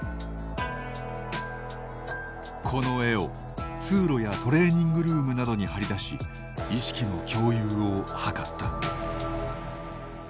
この絵を通路やトレーニングルームなどに貼りだし意識の共有を図った。